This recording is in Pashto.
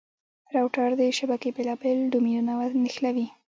روټر د شبکې بېلابېل ډومېنونه نښلوي.